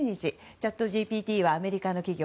チャットＧＰＴはアメリカの企業